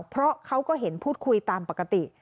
เพราะเขาก็เห็นพูดคุยตามปกติ